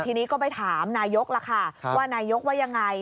ทีนี้ก็ไปถามนายกล่ะค่ะว่านายกว่ายังไง